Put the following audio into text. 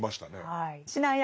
はい。